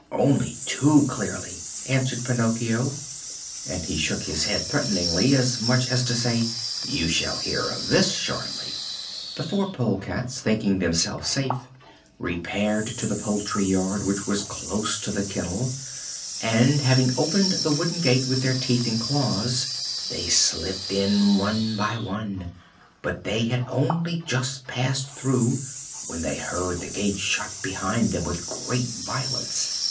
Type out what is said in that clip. "Only too clearly!" answered Pinocchio, and he shook his head threateningly, as much as to say: "You shall hear of this shortly!" The four polecats, thinking themselves safe, repaired to the poultry yard, which was close to the kennel, and, having opened the wooden gate with their teeth and claws, they slipped in one by one. But they had only just passed through when they heard the gate shut behind them with great violence.